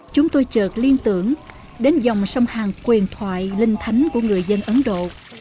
chúng tôi trượt liên tưởng đến dòng sông hàng quyền thoại linh thánh của người dân ấn độ